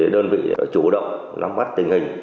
đơn vị chủ động nắm bắt tình hình